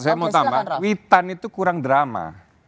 saya mau tambah witan itu kurang drama